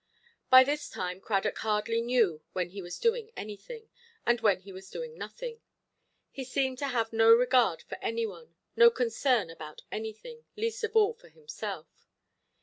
By this time Cradock hardly knew when he was doing anything, and when he was doing nothing. He seemed to have no regard for any one, no concern about anything, least of all for himself.